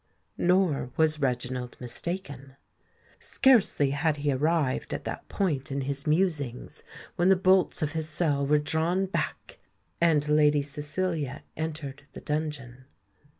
Nor was Reginald mistaken. Scarcely had he arrived at that point in his musings, when the bolts of his cell were drawn back, and Lady Cecilia entered the dungeon.